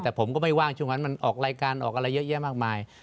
แต่ผมก็ไม่ว่างช่วงนั้นมันออกรายการออกอะไรเยอะแยะมากมาย